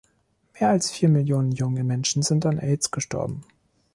Mehr als vier Millionen junge Menschen sind an Aids gestorben.